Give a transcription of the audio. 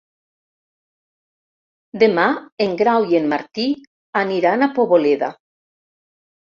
Demà en Grau i en Martí aniran a Poboleda.